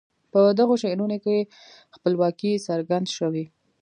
په دغو شعرونو کې خپلواکي څرګند شوي.